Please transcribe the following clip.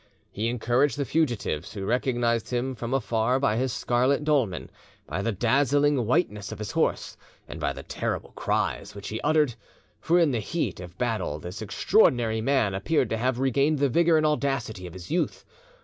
He encouraged the fugitives, who recognised him from afar by his scarlet dolman, by the dazzling whiteness of his horse, and by the terrible cries which he uttered; for, in the heat of battle, this extraordinary man appeared to have regained the vigour and audacity, of his youth.